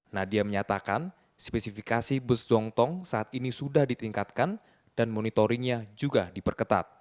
nadia menyatakan spesifikasi bus zongtong saat ini sudah ditingkatkan dan monitoringnya juga diperketat